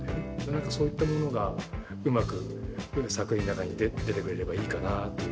何かそういったものがうまく作品の中に出てくれればいいかなぁっていうか。